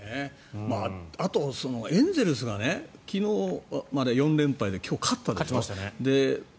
あと、エンゼルスが昨日まで４連敗で今日、勝ったでしょ。